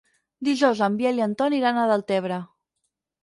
Dijous en Biel i en Ton iran a Deltebre.